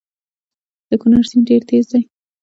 د کونړ سیند ډیر تېز دی